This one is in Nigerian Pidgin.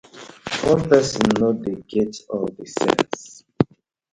One pesin no dey get all the sence.